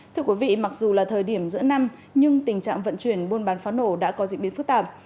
thưa quý vị mặc dù là thời điểm giữa năm nhưng tình trạng vận chuyển buôn bán pháo nổ đã có diễn biến phức tạp